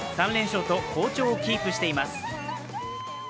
３連勝と好調をキープしています。